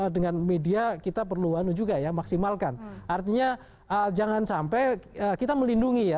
dengan media kita perlu anu juga ya maksimalkan artinya jangan sampai kita melindungi ya